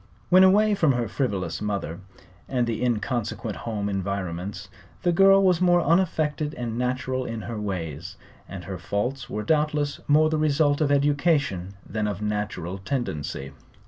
When away from her frivolous mother and the inconsequent home environments the girl was more unaffected and natural in her ways, and her faults were doubtless more the result of education than of natural tendency.